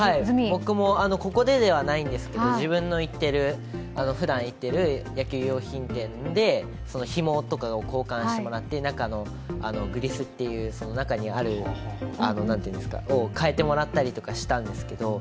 僕も、ここでではないんですけど自分のふだん行ってる野球用品店で、ひもとかを交換してもらって、中のグリスっていう、中にあるのを変えてもらったりしたんですけど。